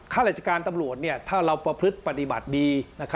ข้าราชการตำรวจถ้าเราประพฤติปฏิบัติดี